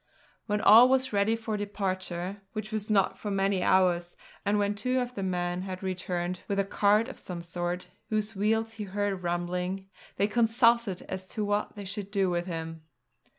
When all was ready for departure which was not for many hours, and when two of the men had returned with a cart of some sort, whose wheels he heard rumbling they consulted as to what they should do with him.